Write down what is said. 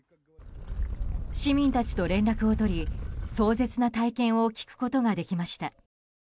市民たちと連絡を取り壮絶な体験を聞くことができました。